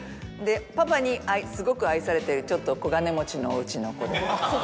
パパにすごく愛されてるちょっと小金持ちのお家の子で。